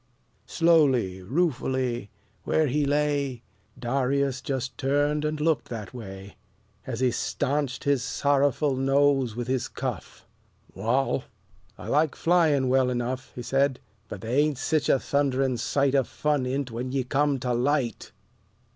Slowly, ruefully, where he lay, Darius just turned and looked that way, As he stanched his sorrowful nose with his cuff. "Wal, I like flyin' well enough," He said; "but the' ain't sich a thunderin' sight O' fun in't when ye come to light."